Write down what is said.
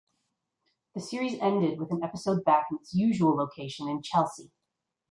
The series ended with an episode back in its usual location in Chelsea.